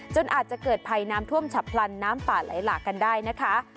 จนอาจจะเกิดภัยน้ำท่วมฉับพลันน้ำป่าไหลหลากกันได้นะคะ